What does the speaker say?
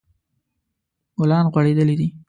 ګلان غوړیدلی دي